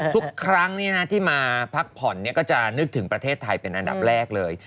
ทุกครั้งที่มาพักผ่อนก็จะนึกถึงประเทศไทยเป็นอันดับแรกเลย